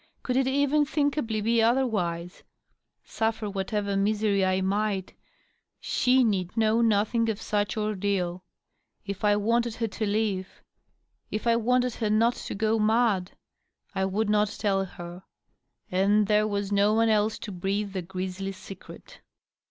Could it even thinka bly be otherwise ? Suffer whatever misery I might, she need know nothing of such ordeal. If I wanted her to live — if I wanted her not to go mad — I would not tell her. And there was no one else to breathe the grisly secret.